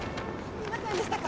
見ませんでしたか？